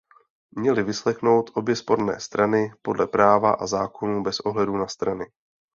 Měli vyslechnout obě sporné strany podle práva a zákonů bez ohledu na strany.